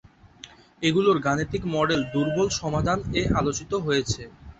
এগুলোর গাণিতিক মডেল দুর্বল সমাধান এ আলোচিত হয়েছে।